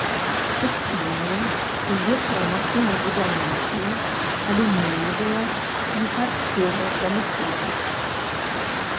Тэкстыльная, электрамашынабудаўнічая, алюмініевая і харчовая прамысловасць.